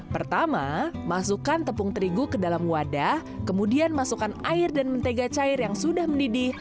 pertama masukkan tepung terigu ke dalam wadah kemudian masukkan air dan mentega cair yang sudah mendidih